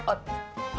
あ。